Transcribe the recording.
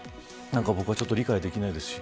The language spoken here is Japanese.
僕はちょっと理解できないです。